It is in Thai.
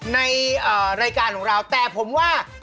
ในรายการของเราแต่ผมว่า